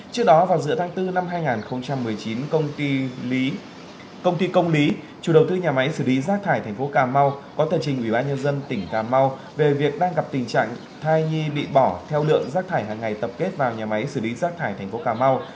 trước đó vào giữa tháng bốn năm hai nghìn một mươi chín công ty công ty công lý chủ đầu tư nhà máy xử lý rác thải thành phố cà mau có tờ trình ủy ban nhân dân tỉnh cà mau về việc đang gặp tình trạng thai nhi bị bỏ theo lượng rác thải hàng ngày tập kết vào nhà máy xử lý rác thải thành phố cà mau